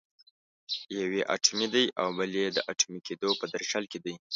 یو یې اټومي دی او بل یې د اټومي کېدو په درشل کې دی.